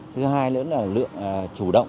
thứ hai nữa là lượng chủ động